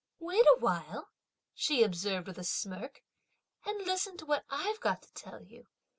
"Wait a while," she observed with a smirk, "and listen to what I've got to tell you!